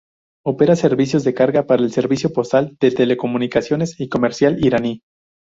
Opera servicios de carga para el servicio postal, de telecomunicaciones y comercial iraní.